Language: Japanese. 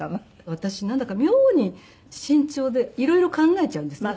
私なんだか妙に慎重で色々考えちゃうんですね。